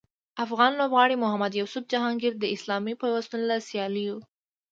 افغان لوبغاړي محمد یوسف جهانګیر د اسلامي پیوستون له سیالیو